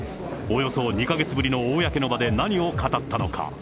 およそ２か月ぶりの公の場で何を語ったのか。